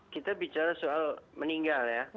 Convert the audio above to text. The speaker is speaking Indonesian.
kita bicara soal meninggal ya